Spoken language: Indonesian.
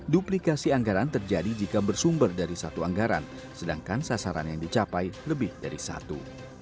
duplikasi anggaran terjadi jika bersumber dari satu anggaran sedangkan sasaran yang dicapai lebih dari satu